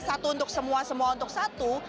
satu untuk semua semua untuk satu